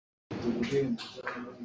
A umtu nih a ka neng tuk cang.